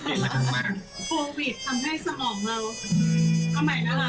โควิดทำให้สมองเราก็ใหม่น่ารัก